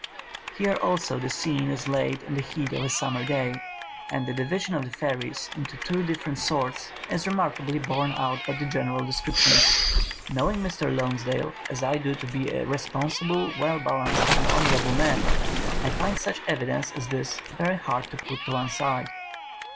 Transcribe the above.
Here also the scene is laid in the heat of a summer day, and the division of the fairies into two different sorts 135 THE COMING OF THE FAIRIES is remarkably borne out by the general descriptions. Knowing Mr. Lonsdale as I do to be a responsible, well balanced, and honourable man, I find such evidence as this very hard to put to one side.